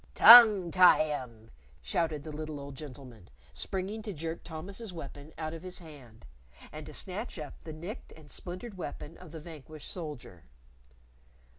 "Tongue tie him!" shouted the little old gentleman, springing to jerk Thomas's weapon out of his hand, and to snatch up the nicked and splintered weapon of the vanquished soldier.